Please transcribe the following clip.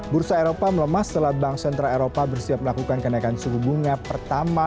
bursa eropa melemah setelah bank sentral eropa bersiap melakukan kenaikan suku bunga pertama